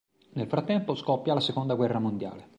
Nel frattempo scoppia la seconda guerra mondiale.